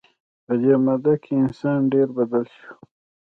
په دې موده کې انسان ډېر بدل شو.